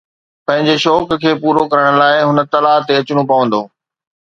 پنهنجي شوق کي پورو ڪرڻ لاءِ هن تلاءَ تي اچڻو پوندو